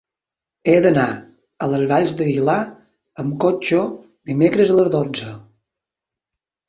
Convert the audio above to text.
He d'anar a les Valls d'Aguilar amb cotxe dimecres a les dotze.